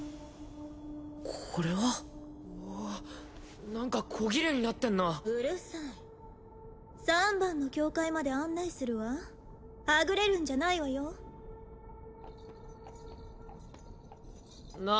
これはおおっ何かこぎれいになってんなうるさい三番の境界まで案内するわはぐれるんじゃないわよなあ